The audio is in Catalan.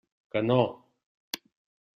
Que no!